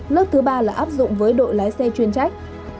lớp thứ ba là áp dụng với đội lái xe chuyên trách